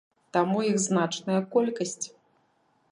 Таму іх значная колькасць.